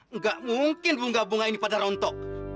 enggak mungkin bunga bunga ini pada rontok